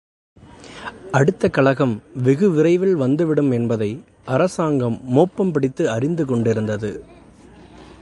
அடுத்த கலகம் வெகுவிரைவில் வந்துவிடும் என்பதை அரசாங்கம் மோப்பம்பிடித்து அறிந்து கொண்டிருந்தது.